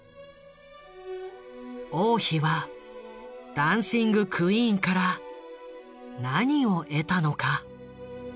王妃は「ダンシング・クイーン」から何を得たのか？